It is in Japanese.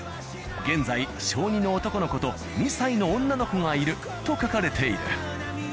現在小２の男の子と２歳の女の子がいると書かれている。